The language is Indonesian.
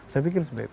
saya pikir seperti itu